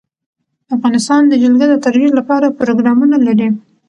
افغانستان د جلګه د ترویج لپاره پروګرامونه لري.